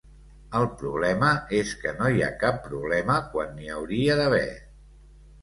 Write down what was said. El problema és que no hi ha cap problema quan n'hi hauria d'haver.